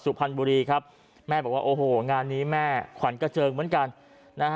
สุพรรณบุรีครับแม่บอกว่าโอ้โหงานนี้แม่ขวัญกระเจิงเหมือนกันนะฮะ